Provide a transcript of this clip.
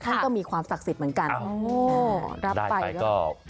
ท่านก็มีความศักดิ์สิทธิ์เหมือนกันรับไปก็